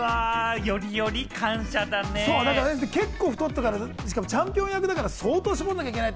結構太ったから、チャンピオン役だから相当絞らなきゃいけない。